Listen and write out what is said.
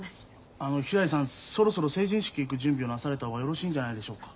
あのひらりさんそろそろ成人式行く準備をなされた方がよろしいんじゃないでしょうか？